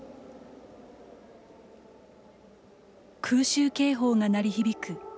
空襲警報が鳴り響く